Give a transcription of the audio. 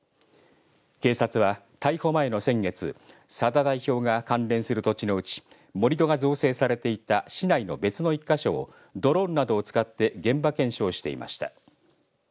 警察は逮捕前の先月佐田代表が関連する土地のうち盛り土が造成されていた市内の別の１か所をドローンなどを使って現場検証をしていました。